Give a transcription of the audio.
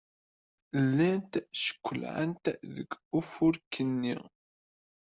Llant ckellɛent deg urufk-nni.